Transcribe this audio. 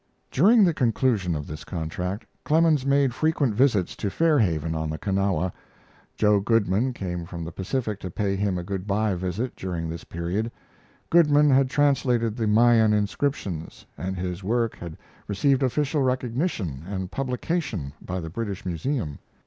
] During the conclusion of this contract Clemens made frequent visits to Fairhaven on the Kanawha. Joe Goodman came from the Pacific to pay him a good by visit during this period. Goodman had translated the Mayan inscriptions, and his work had received official recognition and publication by the British Museum.